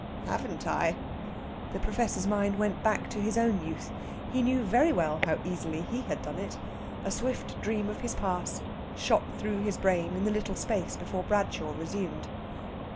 "Haven't I?" The Professor's mind went back to his own youth. He knew very well how easily he had done it. A swift dream of his past shot through his brain in the little space before Bradshaw resumed.